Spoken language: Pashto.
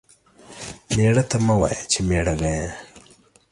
ميړه ته مه وايه چې ميړه گيه.